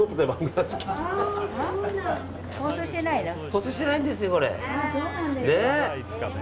放送してないんですよ。